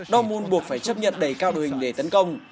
dortmund buộc phải chấp nhận đẩy cao đu hình để tấn công